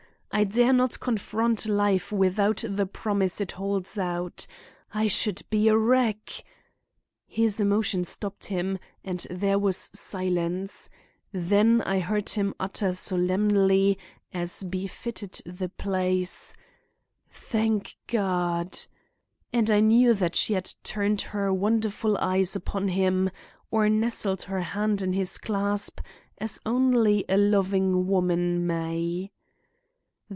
I dare not confront life without the promise it holds out. I should be a wreck—' "His emotion stopped him and there was silence; then I heard him utter solemnly, as befitted the place: 'Thank God!' and I knew that she had turned her wonderful eyes upon him or nestled her hand in his clasp as only a loving woman may.